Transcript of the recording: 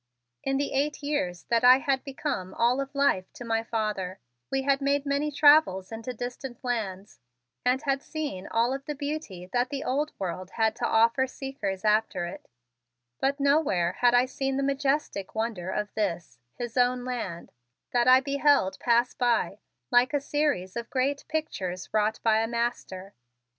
In the eight years that I had become all of life to my father we had made many travels into distant lands and had seen all of beauty that the Old World had to offer seekers after it, but nowhere had I seen the majestic wonder of this, his own land, that I beheld pass by like a series of great pictures wrought by a master.